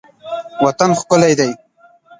وطن ښکلی دی.